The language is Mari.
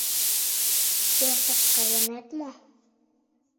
— Пешак кайынет мо?